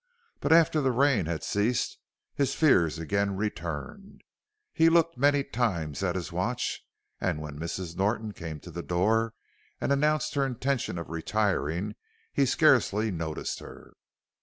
But after the rain had ceased his fears again returned. He looked many times at his watch and when Mrs. Norton came to the door and announced her intention of retiring he scarcely noticed her.